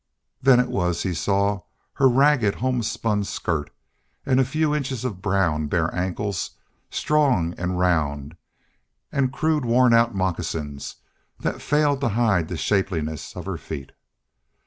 Then it was he saw her ragged homespun skirt and a few inches of brown, bare ankles, strong and round, and crude worn out moccasins that failed to hide the shapeliness, of her feet.